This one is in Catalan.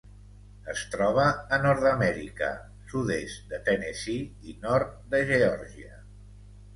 Es troba a Nord-amèrica: sud-est de Tennessee i nord de Geòrgia.